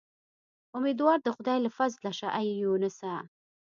امیدوار د خدای له فضله شه اې یونسه.